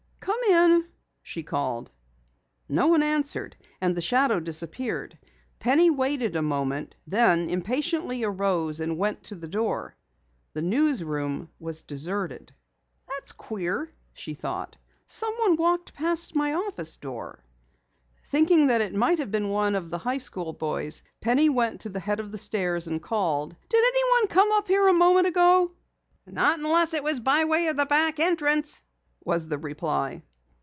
"Come in," she called. No one answered, and the shadow disappeared. Penny waited a moment, then impatiently arose and went to the door. The newsroom was deserted. "Queer," she thought. "Someone walked past my office door." Thinking that it might have been one of the high school boys, Penny went to the head of the stairs and called: "Did anyone come up here a moment ago?" "Not unless it was by way of the back entrance," was the reply.